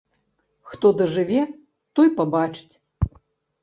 Хто дажыве, той пабачыць.